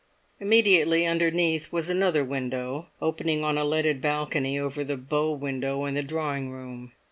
Immediately underneath was another window, opening on a leaded balcony over the bow window in the drawing room.